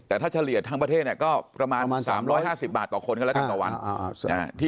แต่ถ้าเฉลี่ยทั้งประเทศก็ประมาณ๓๕๐บาทต่อคนกันแล้วกันต่อวัน